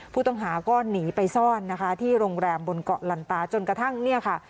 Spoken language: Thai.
ผู้ต้องหาก็หนีไปซ่อนนะคะที่โรงแรมบนเกาะลันตาจนกระทั่งเนี่ยค่ะ